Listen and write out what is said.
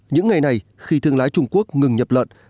những ngày này khi thương lái trung quốc ngừng nhập lợn